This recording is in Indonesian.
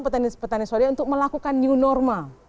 petani petani swadaya untuk melakukan new normal